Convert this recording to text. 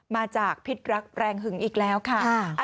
มาจากพิษรักแรงหึงอีกแล้วค่ะ